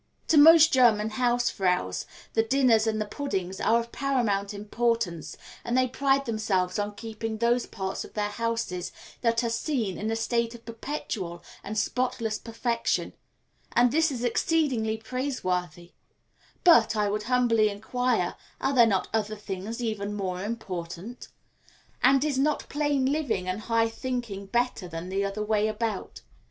To most German Hausfraus the dinners and the puddings are of paramount importance, and they pride themselves on keeping those parts of their houses that are seen in a state of perpetual and spotless perfection, and this is exceedingly praiseworthy; but, I would humbly inquire, are there not other things even more important? And is not plain living and high thinking better than the other way about?